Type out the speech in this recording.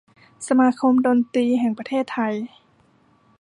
สมาคมดนตรีแห่งประเทศไทย